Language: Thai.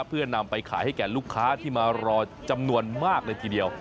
เพื่อนำไปขายให้แก่ลูกค้าที่มารอจำนวนมากเลยทีเดียว